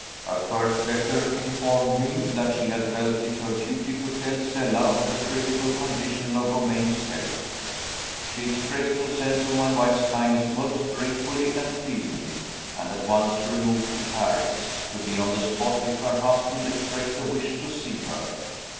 Her first letter informed me that she had felt it her duty to tell Stella of the critical condition of Romayne's health. She expressed her sense of my wife's kindness most gratefully and feelingly and at once removed to Paris, to be on the spot if her husband expressed a wish to see her.